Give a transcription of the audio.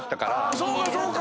そうかそうか。